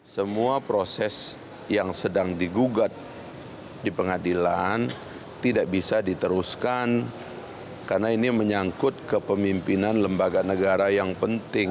semua proses yang sedang digugat di pengadilan tidak bisa diteruskan karena ini menyangkut kepemimpinan lembaga negara yang penting